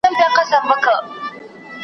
ړوند یې د فکر پر سمو لارو .